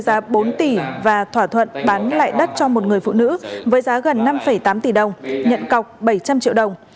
minh mua lại đất của dung với giá bốn triệu và thỏa thuận bán lại đất cho một người phụ nữ với giá gần năm tám tỷ đồng nhận cọc bảy trăm linh triệu đồng